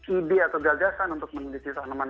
idi atau gagasan untuk meneliti tanaman